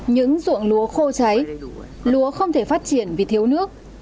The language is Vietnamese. những ruộng lúa khô cháy lúa không thể phát triển vì thiếu nước